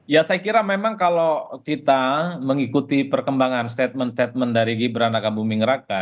ya saya kira memang kalau kita mengikuti perkembangan statement statement dari gibran raka buming raka